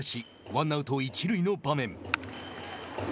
ワンアウト、一塁の場面。